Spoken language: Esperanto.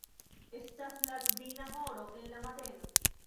Estas la kvina horo en la mateno.